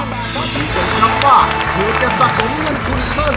ดูกันครับว่าเธอจะสะสมเงินคุณเพิ่ม